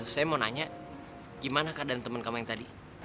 saya mau nanya gimana keadaan teman teman yang tadi